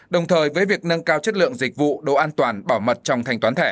đồng thời với việc nâng cao chất lượng dịch vụ độ an toàn bảo mật trong thanh toán thẻ